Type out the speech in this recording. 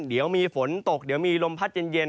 เดี๋ยวมีฝนตกเดี๋ยวมีลมพัดเย็น